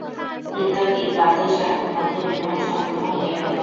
নৃত্যগীতবাদ্যের মধ্যে বিবাহ সম্পন্ন হইয়া গেল।